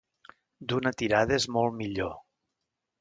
D'una tirada és molt millor.